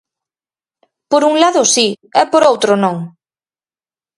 Por un lado si e por outro non.